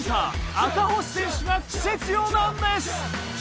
赤星選手がクセ強なんです。